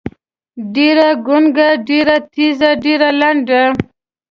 ډېــره ګونګــــــه، ډېــره تېــزه، ډېــره لنډه.